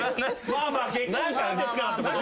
「まぁまぁ結婚したんですから」ってこと？